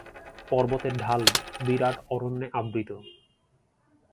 পর্বতের ঢাল বিরাট অরণ্যে আবৃত।